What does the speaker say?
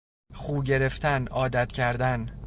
خو گرفتن، عادت کردن